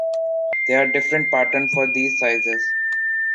There are different patterns for these sizes.